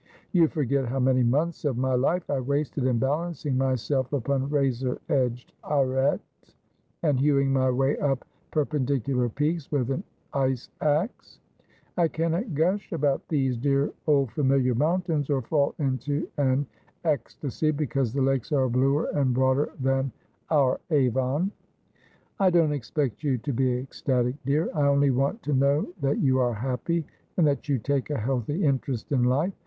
You forget how many months of my life I wasted in balancing myself upon razor edged arretes, and hewing my way up perpendicular peaks with an ice axe. I cannot gush about these dear old familiar mountains, or fall into an ecstasy because the lakes are bluer and broader than our Avon.' ' I don't expect you to be ecstatic, dear ; I only want to know that you are happy, and that you take a healthy interest in life.